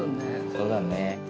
そうだね。